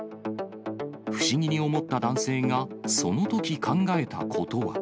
不思議に思った男性が、そのとき考えたことは。